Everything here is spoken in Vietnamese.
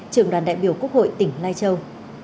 trưởng đoàn đại biểu quốc hội tỉnh lai châu